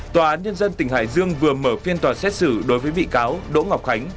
tòa án nhân dân tỉnh hải dương vừa mở phiên tòa xét xử đối với bị cáo đỗ ngọc khánh